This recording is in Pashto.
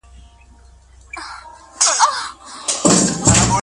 د پوهنې په سیستم کي د مسؤلیت منلو کلتور نه و.